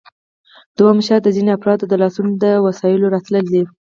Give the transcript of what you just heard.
دوهم شرط د ځینو افرادو لاسونو ته د وسایلو راتلل دي